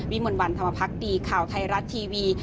วิมวลวันธรรมภักดีข่าวไทยรัตน์ทีวี